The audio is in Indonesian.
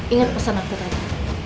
ingat pesan aku tadi